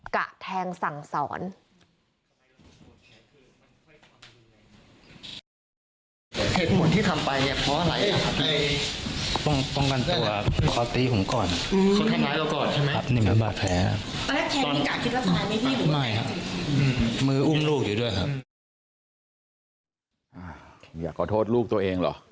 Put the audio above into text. กะแทงสั่งสอน